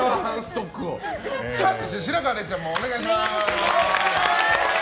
そして白河れいちゃんもお願いします。